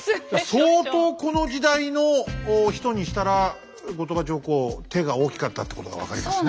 相当この時代の人にしたら後鳥羽上皇手が大きかったってことが分かりますね。